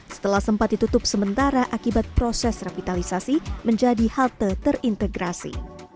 setelah sempat ditutup sementara akibat proses revitalisasi menjadi halte terintegrasi